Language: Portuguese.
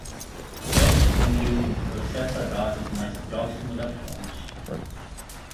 Edge Computing processa dados mais próximo da fonte.